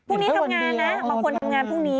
พรุ่งนี้ทำงานนะบางคนทำงานพรุ่งนี้